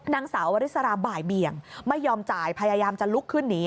นางสาววริสราบ่ายเบี่ยงไม่ยอมจ่ายพยายามจะลุกขึ้นหนี